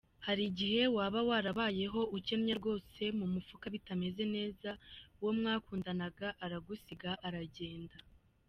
Hari igihe waba warabayeho ukennye rwose mu mufuka bitameze neza, uwo mwakundanaga aragusiga aragenda.